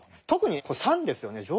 特に３ですよね